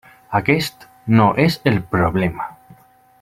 Aquest no és el problema.